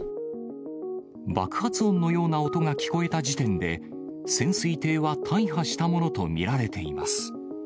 爆発音のような音が聞こえた時点で、潜水艇は大破したものと見られています。